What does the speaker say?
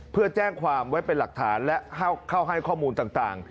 เพื่อแจ้งความไว้เป็นหลักฐานและเข้าให้ข้อมูลต่าง